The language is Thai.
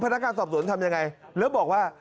พนักงานซับซ้อนทำยังไงแล้วบอกว่า